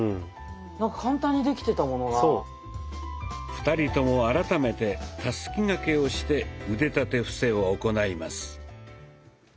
２人とも改めて「たすき掛け」をして腕立て伏せを行います。